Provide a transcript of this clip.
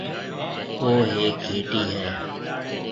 او هيَڪ گھيَََٽِي هيَ۔